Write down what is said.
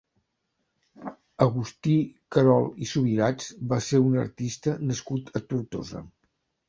Agustí Querol i Subirats va ser un artista nascut a Tortosa.